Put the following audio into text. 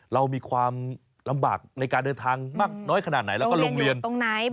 เรามีความลำบากในการเดินทางน้อยขนาดไหนแล้วก็โรงเรียนอยู่ตรงไหนบรรยาเวณไหน